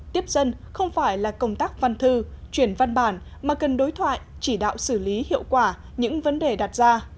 tiếp dân không phải là công tác văn thư chuyển văn bản mà cần đối thoại chỉ đạo xử lý hiệu quả những vấn đề đặt ra